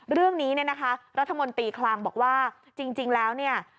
เรื่องนี้เนี่ยนะคะรัฐมนตรีคลังบอกว่าจริงแล้วเนี่ย